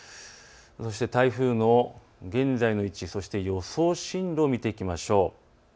台風の現在の位置、そして予想進路を見ていきましょう。